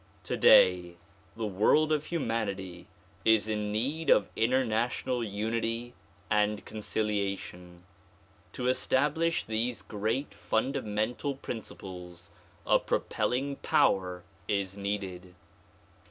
Today the world of humanity is in need of international unity and conciliation. To establish these great fundamental principles a propelling power is needed.